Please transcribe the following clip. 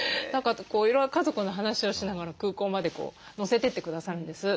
いろいろ家族の話をしながら空港まで乗せてってくださるんです。